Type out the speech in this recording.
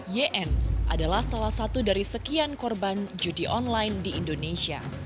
yn adalah salah satu dari sekian korban judi online di indonesia